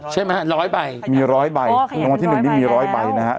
ใช่ไหมฮะร้อยใบมีร้อยใบโอเคละวันที่หนึ่งนี่มีร้อยใบแล้ว